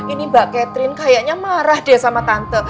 ini mbak catherine kayaknya marah dia sama tante